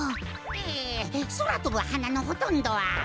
ええそらとぶはなのほとんどは。